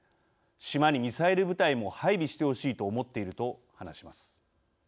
島にミサイル部隊も配備してほしいと思っていると話します。